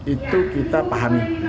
itu kita pahami